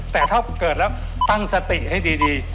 แต่ตั้งสติให้ดี